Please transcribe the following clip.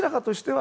は